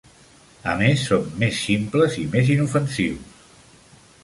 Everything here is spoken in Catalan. A més, som més ximples i més inofensius.